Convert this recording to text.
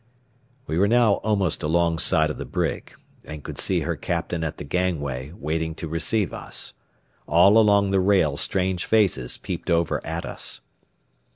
We were now almost alongside of the brig, and could see her captain at the gangway, waiting to receive us. All along the rail strange faces peeped over at us.